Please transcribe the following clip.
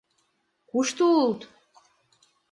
Кушто улыт?